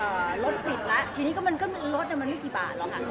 อ่ารถปิดละทีนี้ก็มันรถมันออกไปไม่ไก่บาทหรอกค่ะ